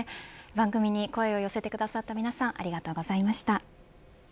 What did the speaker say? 番組に声を寄せてくださった皆さんありがとうございました。